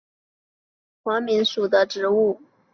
尖齿黄耆是豆科黄芪属的植物。